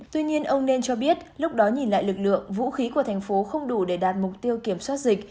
tuy nhiên ông nên cho biết lúc đó nhìn lại lực lượng vũ khí của thành phố không đủ để đạt mục tiêu kiểm soát dịch